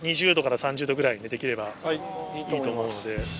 ２０℃から３０℃ぐらいにできればいいと思うので。